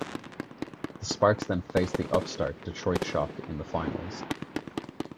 The Sparks then faced the upstart Detroit Shock in the Finals.